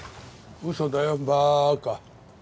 嘘だよバカ。